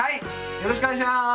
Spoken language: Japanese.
よろしくお願いします。